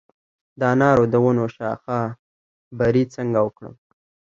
د انارو د ونو شاخه بري څنګه وکړم؟